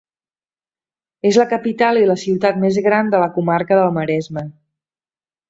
És la capital i la ciutat més gran de la comarca del Maresme.